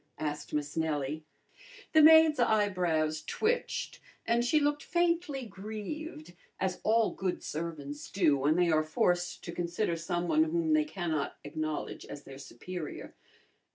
asked Miss Nellie. The maid's eyebrows twitched, and she looked faintly grieved, as all good servants do when they are forced to consider someone whom they cannot acknowledge as their superior.